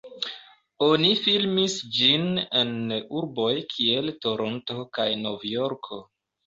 Oni filmis ĝin en urboj kiel Toronto kaj Nov-Jorko.